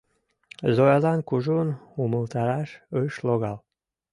Зоялан кужун умылтараш ыш логал.